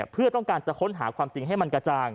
เพื่อต้องการจะค้นหาความจริงให้มันกระจ่าง